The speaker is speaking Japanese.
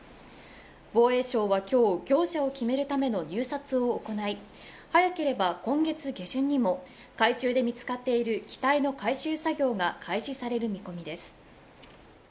防衛省は今日、業者を決めるための入札を行い、早ければ今月下旬にも海中で見つかっている機体の回収作業が開始される見込みです。